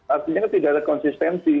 artinya tidak ada konsistensi